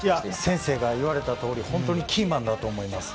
先生から言われたとおりキーマンだと思います。